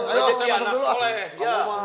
ayo masuk dulu